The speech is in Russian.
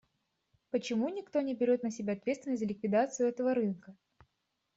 Почему никто не берет на себя ответственность за ликвидацию этого рынка?